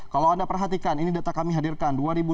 kalau anda perhatikan ini data kami hadirkan